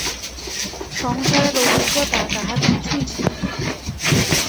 সংসারের অভিজ্ঞতা তাহার কিছুই ছিল না।